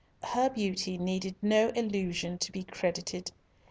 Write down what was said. Her beauty needed no illusion to be credited.